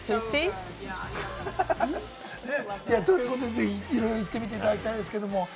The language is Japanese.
ぜひ、いろいろ行ってみていただきたいんですけれども。